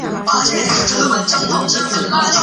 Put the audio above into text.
风景因山林开垦而消失